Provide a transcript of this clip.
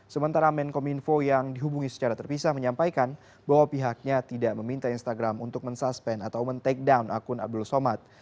sementara menkom info yang dihubungi secara terpisah menyampaikan bahwa pihaknya tidak meminta instagram untuk men suspend atau men take down akun abdul somad